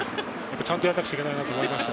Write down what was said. ちゃんとやらなくちゃいけないなと思いました。